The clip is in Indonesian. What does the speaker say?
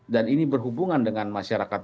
dan ini berhubungan dengan masyarakat